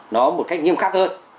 nó một cách nghiêm khắc hơn